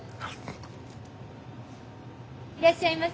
いらっしゃいませ。